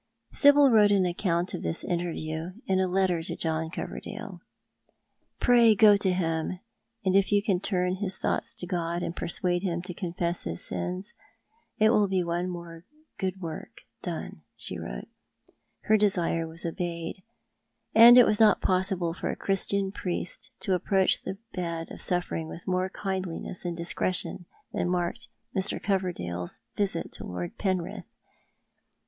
Sibyl wrote an account of this interview in a letter to John Coverdale. ''For is not God All Mighty?'' 331 "Pray cro to liim, ami if you can turn his thonprlits to God, and persuade him to coufess his sius, it will be one more good work done," she wrote. Her desire was obeyed, and it was not possible for a Cliristian priest to approach the bed of suffering with more kindliness and discretion than marked Mr. Coverdale's visit to Lord Penrith.